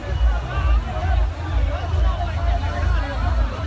มันอาจจะไม่เอาเห็น